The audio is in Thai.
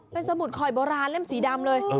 เป็นสมุดข่อยโบราณเล่มสีดำเลย